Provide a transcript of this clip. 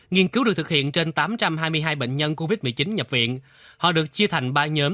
nghiên cứu được thực hiện trên tám trăm hai mươi hai bệnh nhân